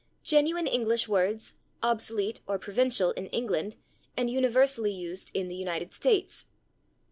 Genuine English words, obsolete or provincial in England, and universally used in the United States.